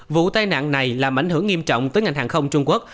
vụ tai nạn này làm ảnh hưởng nghiêm trọng tới ngành hàng không trung quốc